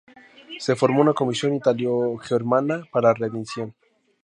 Se formó una comisión italo-germana para la rendición.